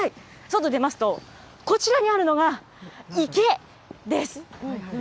外出ますと、こちらにあるのが池です。